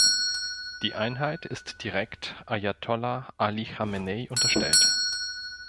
Die Einheit ist direkt Ajatollah Ali Chamenei unterstellt.